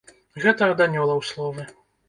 Гэта ад анёлаў словы.